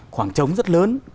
khoảng trống rất lớn